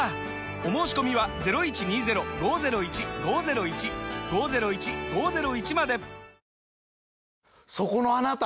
お申込みはそこのあなた！